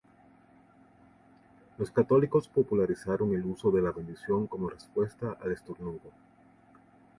Los católicos popularizaron el uso de la bendición como respuesta al estornudo.